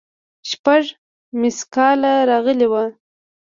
شپږ ميسکاله راغلي وو.